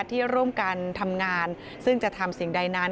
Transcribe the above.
ที่ร่วมกันทำงานซึ่งจะทำสิ่งใดนั้น